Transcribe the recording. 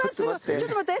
ちょっと待って。